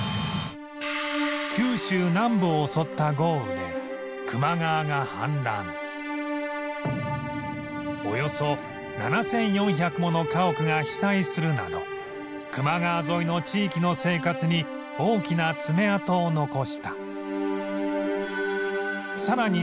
九州南部を襲った豪雨でおよそ７４００もの家屋が被災するなど球磨川沿いの地域の生活に大きな爪痕を残した